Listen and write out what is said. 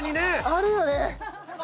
あるよね。